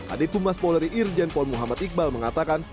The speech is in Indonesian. adik kumas polri irjen paul muhammad iqbal mengatakan